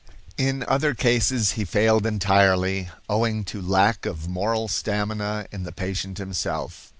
In other cases he failed entirely, owing to lack of moral stamina in the patient himself.